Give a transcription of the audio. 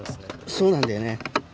そうなんだよね。